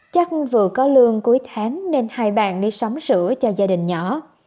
chắc vừa có lương cuối tháng nên hai bạn đi sắm sữa cho gia đình nhỏ